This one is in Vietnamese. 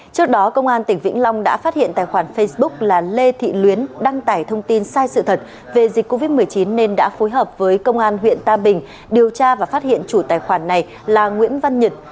trước đó công an tỉnh vĩnh long đã phát hiện tài khoản facebook là lê thị luyến đăng tải thông tin sai sự thật về dịch covid một mươi chín nên đã phối hợp với công an huyện tam bình điều tra và phát hiện chủ tài khoản này là nguyễn văn nhật